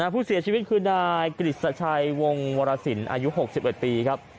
ผู้เสียชีวิตคือนายกฤษชัยวงวรสินอายุ๖๑ปีครับ